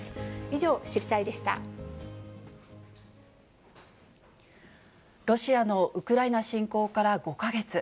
以上、ロシアのウクライナ侵攻から５か月。